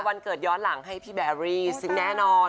วันเกิดย้อนหลังให้พี่แบรี่ซึ่งแน่นอน